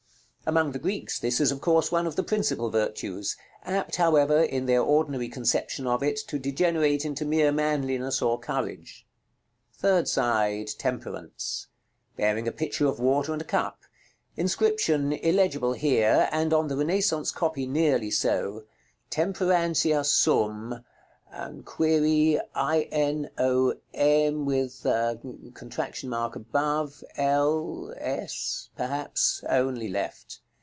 Among the Greeks, this is, of course, one of the principal virtues; apt, however, in their ordinary conception of it to degenerate into mere manliness or courage. § LXXX. Third side. Temperance; bearing a pitcher of water and a cup. Inscription, illegible here, and on the Renaissance copy nearly so, "TEMPERANTIA SUM" (INOM' L^s)? only left.